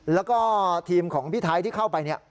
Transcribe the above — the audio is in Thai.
แล้วก็ทีมของพี่ไทยที่เข้าไปเนี่ย